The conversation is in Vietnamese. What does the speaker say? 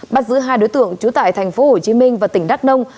bắt giữ hai đối tượng trú tại thành phố hồ chí minh và tỉnh đắk nông